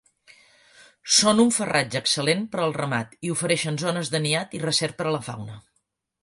Són un farratge excel·lent per al ramat i ofereixen zones de niat i recer per a la fauna.